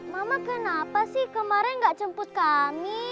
mama kenapa sih kemarin gak jemput kami